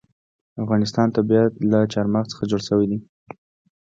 د افغانستان طبیعت له چار مغز څخه جوړ شوی دی.